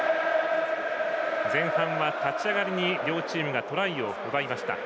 前半は立ち上がりに両チームがトライを奪いました。